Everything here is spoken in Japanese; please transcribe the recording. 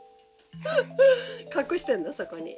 隠してるんだそこに。